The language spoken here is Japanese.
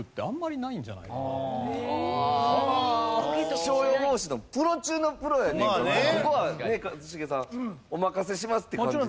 気象予報士のプロ中のプロやねんからここはねえ一茂さんお任せしますって感じで。